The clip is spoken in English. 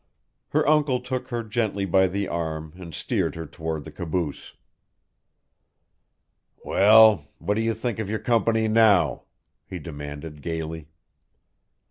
Her uncle took her gently by the arm and steered her toward the caboose. "Well, what do you think of your company now?" he demanded gayly.